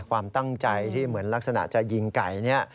ความตั้งใจที่เหมือนลักษณะจะยิงไก่เนี่ย